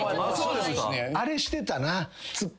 あれしてたな。